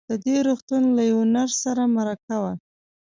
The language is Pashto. د دې روغتون له يوه نرس سره مرکه وه.